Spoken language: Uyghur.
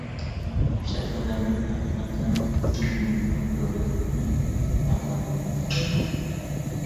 ئىشلەتكەنلەردىن ھەقىقەتەن ئۈنۈمىنى كۆرگەنلىكىنى كۆپ ئاڭلىغان ئىدىم.